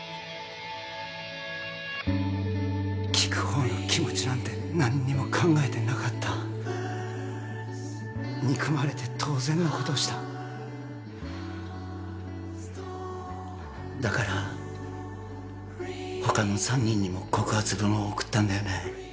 聞く方の気持ちなんて何にも考えてなかった憎まれて当然のことをしただから他の３人にも告発文を送ったんだよね